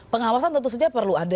pengawasan tentu saja perlu ada